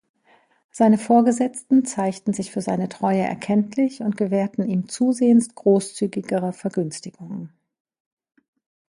Seine Vorgesetzten zeigten sich für seine Treue erkenntlich und gewährten ihm zusehends großzügigere Vergünstigungen.